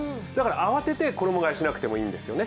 慌てて衣がえしなくてもいいんですよね。